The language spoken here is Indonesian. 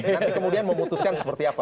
nanti kemudian memutuskan seperti apa